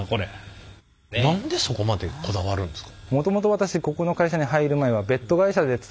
何でそこまでこだわるんですか？